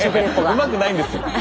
うまくないですよ。